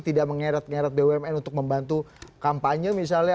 tidak mengeret ngeret bumn untuk membantu kampanye misalnya